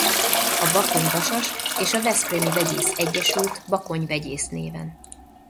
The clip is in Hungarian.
A Bakony Vasas és a Veszprémi Vegyész egyesült Bakony Vegyész néven.